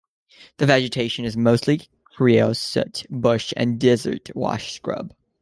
The vegetation is mostly creosote bush and desert wash scrub.